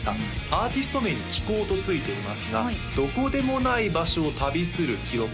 アーティスト名に「紀行」とついていますが「どこでもない場所を旅する記録」